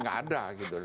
gak ada gitu